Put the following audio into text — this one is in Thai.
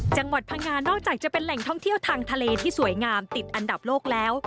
จังหวัดพังงานนอกจากจะเป็นแหล่งท่องเที่ยวทางทะเลที่สวยงามติดอันดับโลกแล้ว